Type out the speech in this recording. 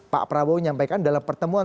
pak prabowo nyampaikan dalam pertemuan